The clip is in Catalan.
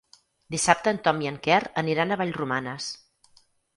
Dissabte en Tom i en Quer aniran a Vallromanes.